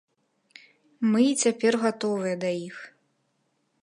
Мы і цяпер гатовыя да іх.